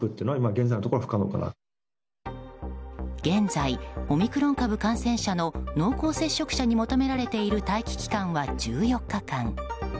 現在、オミクロン株感染者の濃厚接触者に求められている待機期間は１４日間。